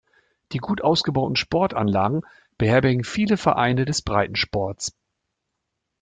Die gut ausgebauten Sportanlagen beherbergen viele Vereine des Breitensports.